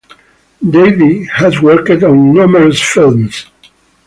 Davey has worked on numerous films.